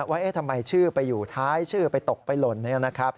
ว่าทำไมชื่อไปอยู่ท้ายชื่อไปตกไปหล่น